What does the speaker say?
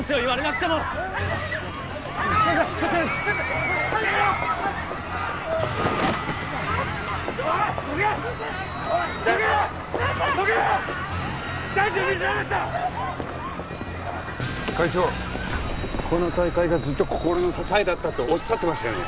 この大会がずっと心の支えだったっておっしゃってましたよね？